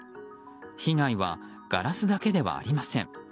被害はガラスだけではありません。